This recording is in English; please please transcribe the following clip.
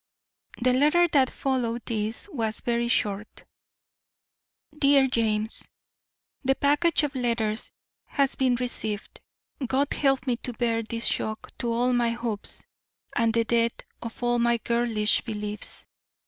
The letter that followed this was very short: DEAR JAMES: The package of letters has been received. God help me to bear this shock to all my hopes and the death of all my girlish beliefs.